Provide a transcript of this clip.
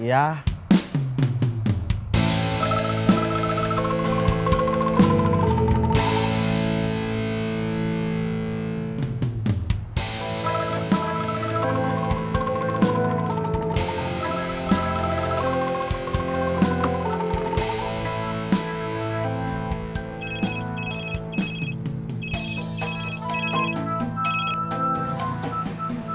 iya aku pergi dulu